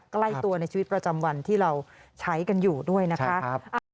ใกล้ตัวในชีวิตประจำวันที่เราใช้กันอยู่ด้วยนะคะ